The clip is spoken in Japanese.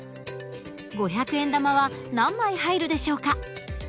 ５００円玉は何枚入るでしょうか？